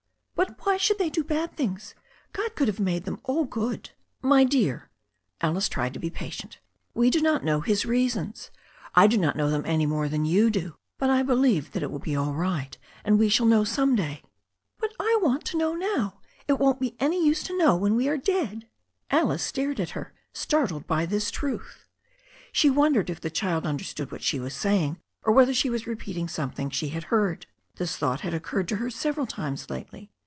'But why should they do any bad things? Gcd could have made them all good." "My dear" — ^Alice tried to be patient — ^"we do not know His reasons. I do not know them any more than you do. But I believe that it will be all right, and we shall know some day." "But I want to know now. It won't be any use to know when we are dead." "] "1 132 THE STORY OF A NEW ZEALAND RIVER Alice stared at her, startled by this truth. She wondered if the child understood what she was saying, or whether she was repeating something she had heard. This thought had occurred to her several times lately.